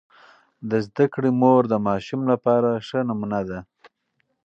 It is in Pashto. د زده کړې مور د ماشوم لپاره ښه نمونه ده.